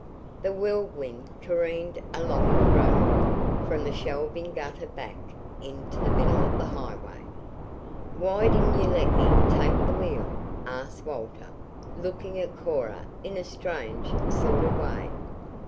The Whirlwind careened along the road, from the shelving gutter back into the middle of the highway. "Why didn't you let me take the wheel?" asked Walter, looking at Cora in a strange sort of way.